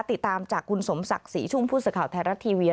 ติดตามจากคุณสมศักดิ์ศรีชุ่มผู้สื่อข่าวไทยรัฐทีวี